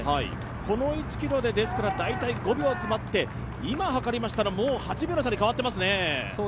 この１ｋｍで大体５秒詰まって今はかりましたらもう８秒の差に変わってますね。